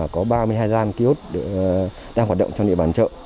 có ba mươi hai gian kiosk đang hoạt động trong địa bàn chợ